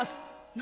「何？